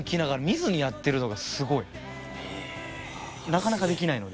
なかなかできないので。